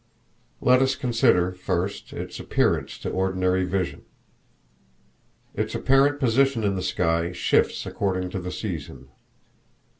Let us consider, first, its appearance to ordinary vision. Its apparent position in the sky shifts according to the season.